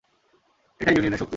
এটাই ইউনিয়নের শক্তি।